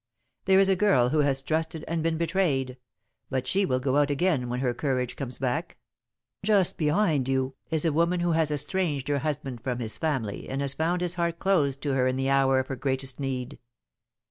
There is a girl who has trusted and been betrayed, but she will go out again when her courage comes back. Just behind you is a woman who has estranged her husband from his family and has found his heart closed to her in the hour of her greatest need.